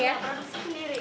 iya produk sendiri